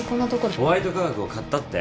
ホワイト化学を買ったって？